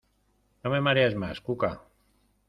¡No me marees más, Cuca!